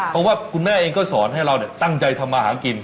เพราะว่าคุณแม่เองก็สอนให้เราตั้งใจทำมาหากิน